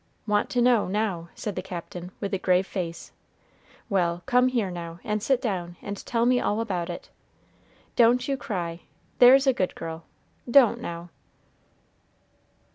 "Want to know, now!" said the Captain, with a grave face. "Well, come here, now, and sit down, and tell me all about it. Don't you cry, there's a good girl! Don't, now."